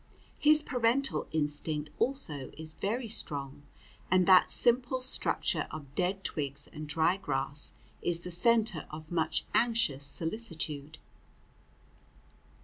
His parental instinct, also, is very strong, and that simple structure of dead twigs and dry grass is the centre of much anxious solicitude.